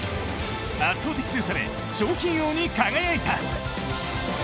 圧倒的強さで賞金王に輝いた。